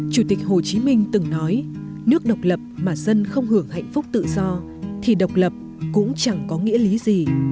chủ tịch hồ chí minh từng nói nước độc lập mà dân không hưởng hạnh phúc tự do thì độc lập cũng chẳng có nghĩa lý gì